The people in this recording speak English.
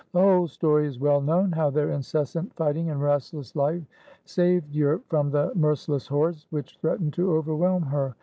The whole story is well known, how their incessant fighting and restless life saved Europe from the merci less hordes which threatened to overwhelm her.